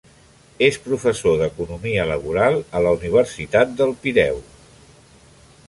És professor d'Economia Laboral a la Universitat del Pireu.